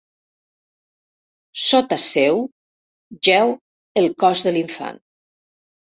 Sota seu, jeu el cos de l'infant.